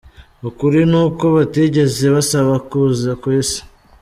Ukuri ni uko batigeze basaba kuza ku isi.